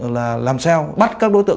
là làm sao bắt các đối tượng